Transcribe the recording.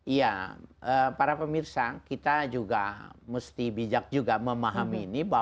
iya para pemirsa kita juga mesti bijak juga memahami ini